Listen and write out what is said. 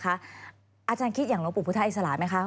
อาจารย์คิดอย่างหลวงปู่พุทธอิสระไหมคะ